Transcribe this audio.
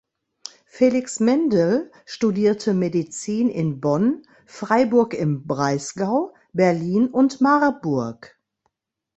Felix Mendel studierte Medizin in Bonn, Freiburg im Breisgau, Berlin und Marburg.